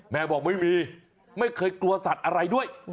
บอกไม่มีไม่เคยกลัวสัตว์อะไรด้วย